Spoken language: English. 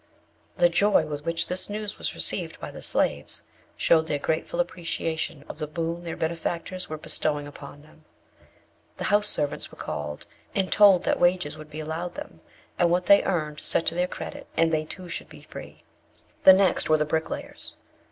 The joy with which this news was received by the slaves, showed their grateful appreciation of the boon their benefactors were bestowing upon them. The house servants were called and told that wages would be allowed them, and what they earned set to their credit, and they too should be free. The next were the bricklayers.